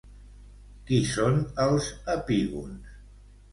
Qui són els epígons?